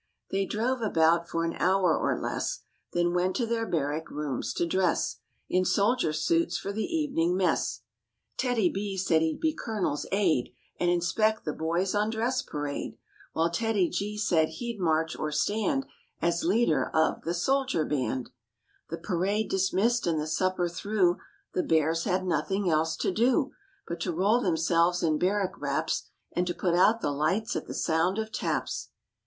' They drove about for an hour or less, Then went to their barrack rooms to dress , In soldier suits for the evening S mess. TEDDY B said he'd be Colonel's aide And inspect the boys on dress M' \ parade, While TEDDY G said he'd march or stand As leader of the soldier band. 54 MORE ABOUT THE ROOSEVELT BEARS The parade dismissed and the supper through, The Bears had nothing else to do But to roll themselves in barrack wraps And to put out the lights at the sound of taps.